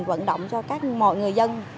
vận động cho các mọi người dân